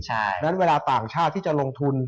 อันนั้นเวลาปากชาติที่จะลงทุน